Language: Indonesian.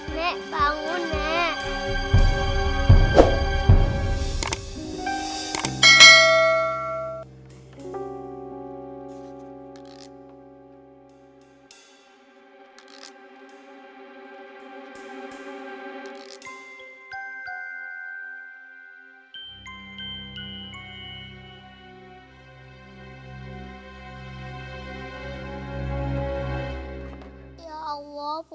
nek bangun nek